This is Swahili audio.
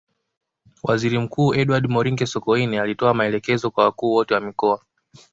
Waziri Mkuu Edward Moringe Sokoine alitoa maelekezo kwa wakuu wote wa mikoa